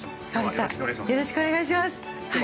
よろしくお願いします。